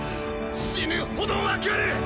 死ぬほど分かる！